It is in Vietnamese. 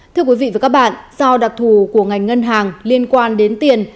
thưa quý vị và các bạn do đặc thù của ngành ngân hàng liên quan đến tiền